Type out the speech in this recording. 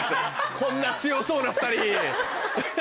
こんな強そうな２人。